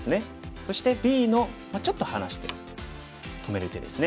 そしてＢのちょっと離して止める手ですね。